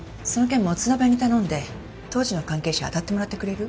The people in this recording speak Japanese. モツナベに頼んで当時の関係者当たってもらってくれる？